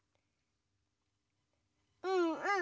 うんうん！